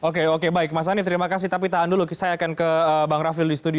oke oke baik mas hanif terima kasih tapi tahan dulu saya akan ke bang rafil di studio